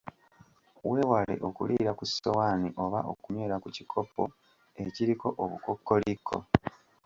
Weewale okuliira ku ssowaani oba okunywera ku kikopo ekiriko obukokkoliko.